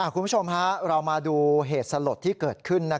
คุณผู้ชมเรามาดูเหตุสลดที่เกิดขึ้น